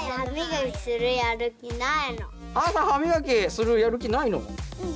朝歯みがきするやる気ないの？